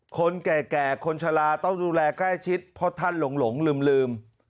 คนแก่คนชะลาต้องดูแลใกล้ชิดเพราะท่านหลงลืม